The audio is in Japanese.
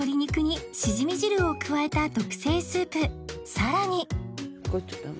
さらに